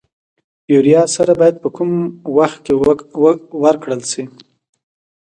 یوریا سره باید په کوم وخت کې ورکړل شي؟